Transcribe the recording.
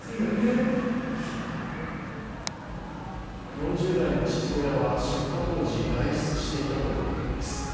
４０代の父親は出火当時外出していたということです。